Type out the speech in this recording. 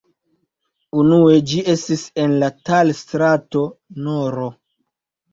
Unue ĝi estis en la Tal-strato nr.